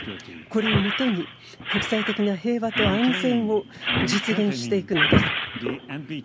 これをもとに国際的な平和と安全を実現していくのです。